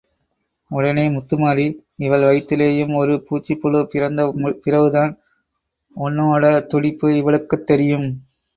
உடனே முத்துமாரி இவள் வயித்துலயும் ஒரு பூச்சி புழு பிறந்த பிறவுதான், ஒன்னோட துடிப்பு இவளுக்குத் தெரியும்.